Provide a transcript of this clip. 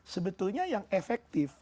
sebetulnya yang efektif